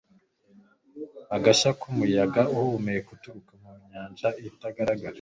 Agashya kumuyaga uhumeka uturuka mu nyanja itagaragara